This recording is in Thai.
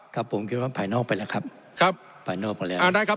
ครับผมคิดว่าภายนอกไปแล้วครับครับภายนอกไปแล้วอ่าได้ครับ